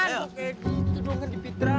kayak gitu doang kan dipitrain